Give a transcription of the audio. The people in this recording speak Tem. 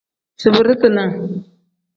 Zinbirii-dinaa.